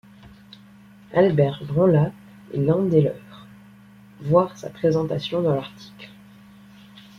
Albert Branlat est l'un des leurs, voir sa présentation dans l'article.